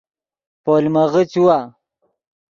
پولمغے چیوا